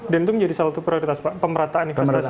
dan itu menjadi salah satu prioritas pak pemerataan investasi tadi